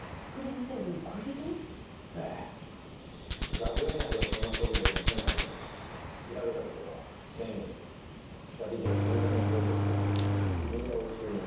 学園内ではそんなそぶりは見せないようですが調べたところ先月２人で銀座の宝飾店に指輪を注文しています。